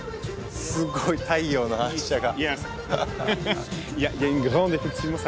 すごい太陽の反射が。